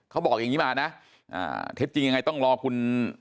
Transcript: เขาบอกอย่างนี้มานะเท็จจริงยังไงต้องรอคุณ